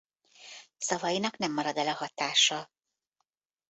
Szavainak nem marad el a hatása.